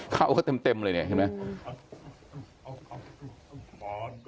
เข้าเขาเต็มเลยเนี่ยเห็นไหม